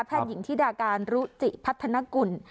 แพทย์หญิงที่ดาการรุจิพัฒนกุล